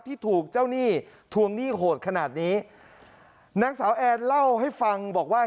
ที่ถูกเจ้าหนี้ทวงหนี้โหดขนาดนี้นางสาวแอนเล่าให้ฟังบอกว่า